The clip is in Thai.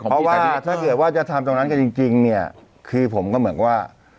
เพราะว่าถ้าเกิดว่าจะทำตรงนั้นกันจริงเนี่ยคือผมก็เหมือนว่า